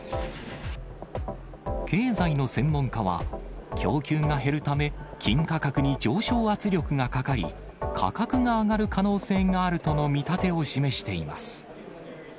経済の専門家は、供給が減るため、金価格に上昇圧力がかかり、価格が上がる可能性があるとの見立てを示しています。